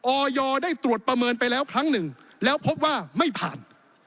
ออยได้ตรวจประเมินไปแล้วครั้งหนึ่งแล้วพบว่าไม่ผ่าน